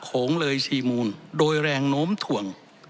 โขงละเอชีมูลโดยแรงโหน้มถ่วง